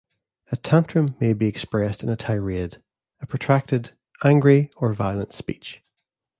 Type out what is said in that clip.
A tantrum may be expressed in a tirade: a protracted, angry, or violent speech.